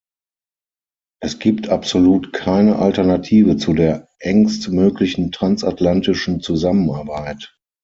Es gibt absolut keine Alternative zu der engst möglichen transatlantischen Zusammenarbeit.